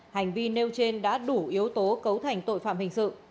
hành vi nêu trên đã đủ yếu tố cấu thành tội phạm hình sự